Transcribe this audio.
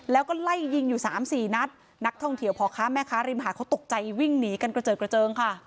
แล้วก็ไล่ยิงอยู่สามสี่นัดนักท่องเที่ยวพ่อค้าแม่ค้าริมหาดเขาตกใจวิ่งหนีกันกระเจิดกระเจิงค่ะ